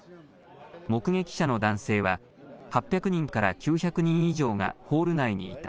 目撃者の男性は８００人から９００人以上がホール内にいた。